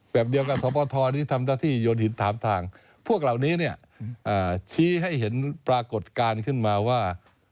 แบบเดียวกับสมพทยนศ์ถามทางพวกเหล่านี้เนี่ยชี้ให้เห็นปรากฏการณ์ขึ้นมาว่า